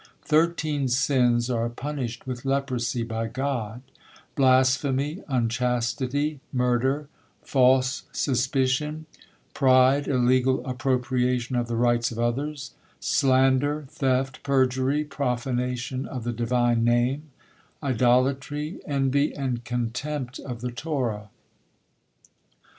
Thirteen sins are punished with leprosy by God: blasphemy, unchastity, murder, false suspicion, pride, illegal appropriation of the rights of others, slander, theft, perjury, profanation of the Divine Name, idolatry, envy, and contempt of the Torah.